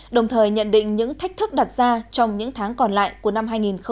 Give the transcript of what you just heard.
đồng thời nhận định những thách thức đặt ra trong những tháng còn lại của năm hai nghìn hai mươi